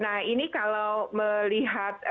nah ini kalau melihat